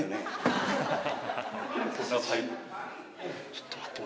ちょっと待って。